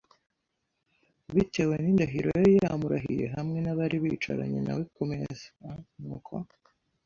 bitewe n indahiro yari yamurahiye hamwe n abari bicaranye na we ku meza a Nuko